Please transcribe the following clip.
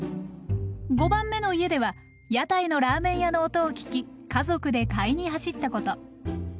５番目の家では屋台のラーメン屋の音を聞き家族で買いに走ったこと。